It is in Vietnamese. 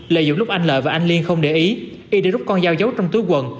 lợi dụng lúc anh lợi và anh liên không để ý y đã rút con dao giấu trong túi quần